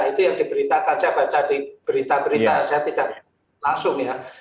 itu yang diberitakan saya baca di berita berita saya tidak langsung ya